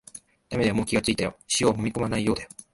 だめだよ、もう気がついたよ、塩をもみこまないようだよ